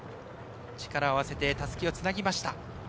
力を合わせてたすきをつなぎました。